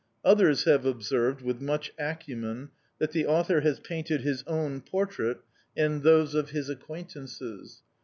Others have observed, with much acumen, that the author has painted his own portrait and those of his acquaintances!...